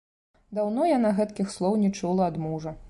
Даўно яна гэткіх слоў не чула ад мужа.